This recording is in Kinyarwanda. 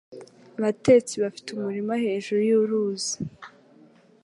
Abatetsi bafite umurima hejuru yuruzi.